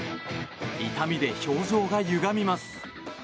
痛みで表情がゆがみます。